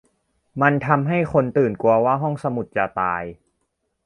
มันทำให้คนตื่นกลัวว่าห้องสมุดจะตาย